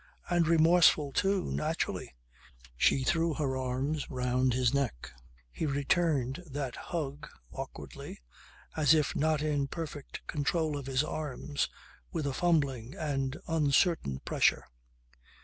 And remorseful too. Naturally. She threw her arms round his neck. He returned that hug awkwardly, as if not in perfect control of his arms, with a fumbling and uncertain pressure.